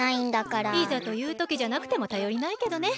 いざというときじゃなくてもたよりないけどね。